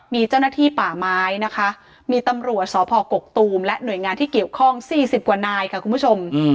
มีเจ้าหน้าที่ป่าไม้นะคะมีตำรวจสพกกตูมและหน่วยงานที่เกี่ยวข้อง๔๐กว่านายค่ะคุณผู้ชม